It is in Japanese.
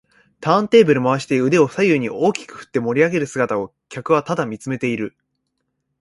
ターンテーブル回して腕を左右に大きく振って盛りあげる姿を客はただ見つめている